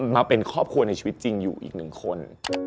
มาเป็นครอบครัวในชีวิตจริงอยู่อีกหนึ่งคน